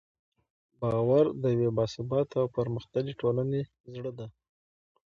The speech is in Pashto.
باور د یوې باثباته او پرمختللې ټولنې زړه دی.